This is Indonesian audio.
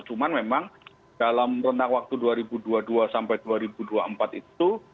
cuma memang dalam rentang waktu dua ribu dua puluh dua sampai dua ribu dua puluh empat itu